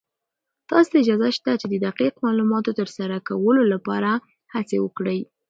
تاسې ته اجازه شته چې د دقيق معلوماتو تر سره کولو لپاره هڅې وکړئ.